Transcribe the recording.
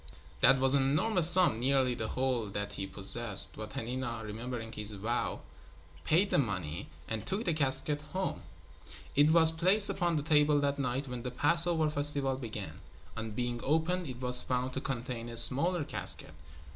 That was an enormous sum, nearly the whole that he possessed, but Hanina, remembering his vow, paid the money and took the casket home. It was placed upon the table that night when the Passover festival began. On being opened it was found to contain a smaller casket.